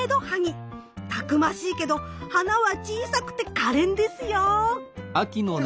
たくましいけど花は小さくてかれんですよ。